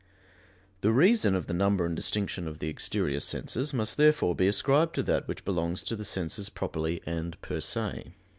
The reason of the number and distinction of the exterior senses must therefore be ascribed to that which belongs to the senses properly and _per se.